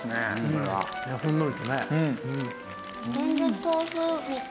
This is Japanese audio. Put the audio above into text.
うん。